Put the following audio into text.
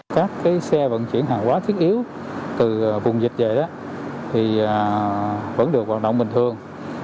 các xe vận chuyển hàng hóa thiết yếu từ vùng dịch về thì vẫn được hoạt động bình thường